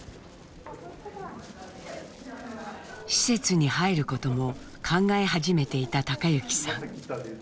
施設に入ることも考え始めていた貴之さん。